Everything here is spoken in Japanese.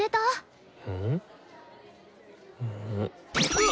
うわ！